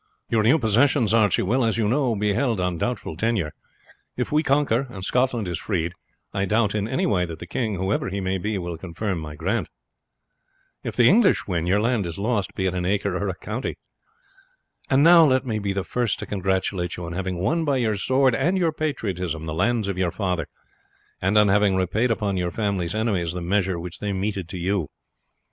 "Your new possessions, Archie, will, as you know, be held on doubtful tenure. If we conquer, and Scotland is freed, I doubt in no way that the king, whoever he may be, will confirm my grant. If the English win, your land is lost, be it an acre or a county. And now let me be the first to congratulate you on having won by your sword and your patriotism the lands of your father, and on having repaid upon your family's enemies the measure which they meted to you.